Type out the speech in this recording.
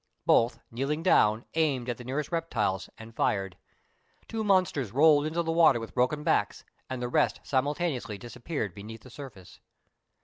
Both, kneeling down, aimed at the nearest reptiles, and fired. Two monsters rolled into the water with broken backs, and the rest simultaneously disappeared beneath the surface.